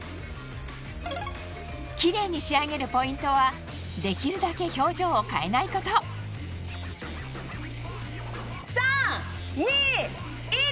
キレイに仕上げるポイントはできるだけ表情を変えないこと３・２・１！